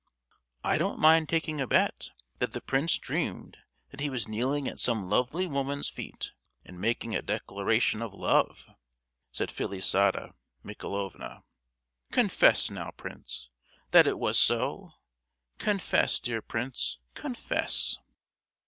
"I don't mind taking a bet that the prince dreamed that he was kneeling at some lovely woman's feet and making a declaration of love," said Felisata Michaelovna. "Confess, now, prince, that it was so? confess, dear prince, confess."